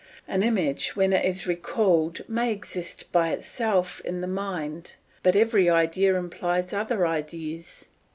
An image when it is recalled may exist by itself in the mind, but every idea implies other ideas.